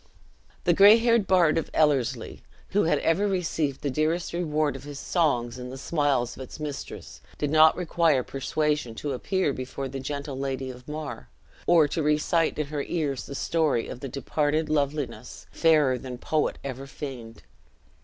The gray haired bard of Ellerslie, who had ever received the dearest reward of his songs in the smiles of its mistress, did not require persuasion to appear before the gentle lady of Mar, or to recite in her ears the story of the departed loveliness, fairer than poet ever feigned.